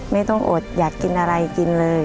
ไม่ต้องอดอยากกินอะไรกินเลย